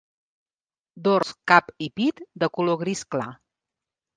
Dors, cap i pit de color gris clar.